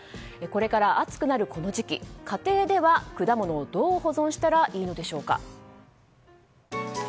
これから暑くなるこの時期家庭では果物をどう保存したらいいのでしょうか？